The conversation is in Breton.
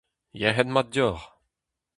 Yec'hed mat deoc'h !